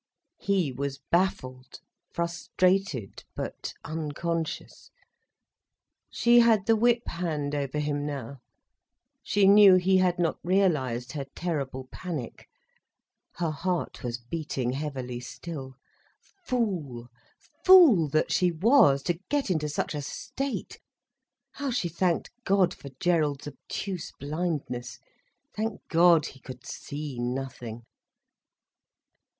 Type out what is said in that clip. He was baffled, frustrated, but unconscious. She had the whip hand over him now. She knew he had not realised her terrible panic. Her heart was beating heavily still. Fool, fool that she was, to get into such a state! How she thanked God for Gerald's obtuse blindness. Thank God he could see nothing.